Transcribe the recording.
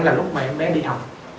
là lúc mà em bé đi học